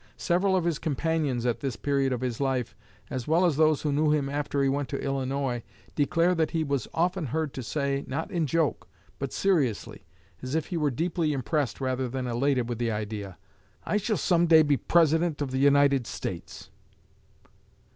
Several of his companions at this period of his life, as well as those who knew him after he went to Illinois, declare that he was often heard to say, not in joke, but seriously, as if he were deeply impressed rather than elated with the idea: 'I shall some day be President of the United States.'